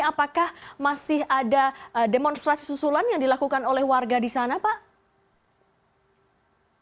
apakah masih ada demonstrasi susulan yang dilakukan oleh warga di sana pak